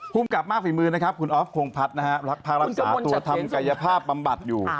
ภูมิกับมากฝีมือนะครับคุณออฟพงพัฒน์นะฮะรักษาตัวทำกายภาพบำบัดอยู่